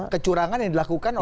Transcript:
kecurangan yang dilakukan oleh siapa